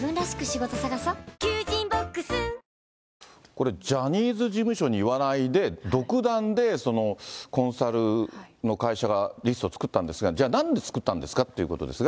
これ、ジャニーズ事務所に言わないで、独断でコンサルの会社がリスト作ったんですが、じゃあ、なんで作ったんですかってことですが。